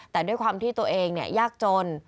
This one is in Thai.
แต่ด้วยความที่ตัวเองยากจน